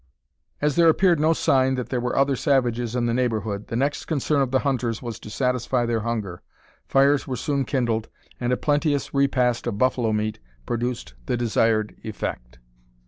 As there appeared no sign that there were other savages in the neighbourhood, the next concern of the hunters was to satisfy their hunger. Fires were soon kindled, and a plenteous repast of buffalo meat produced the desired effect.